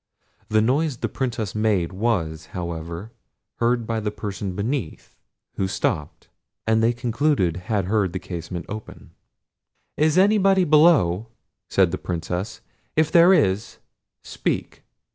The noise the Princess made was, however, heard by the person beneath, who stopped; and they concluded had heard the casement open. "Is anybody below?" said the Princess; "if there is, speak."